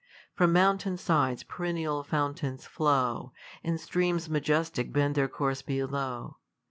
From mountain sides perennial fountains flow, And streams majestic bead their course below.